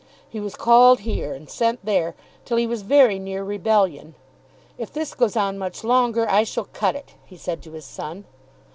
He was called here and sent there, till he was very near rebellion. "If this goes on much longer I shall cut it," he said to his son.